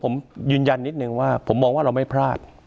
ผมยืนยันนิดนึงว่าผมมองว่าเราไม่พลาด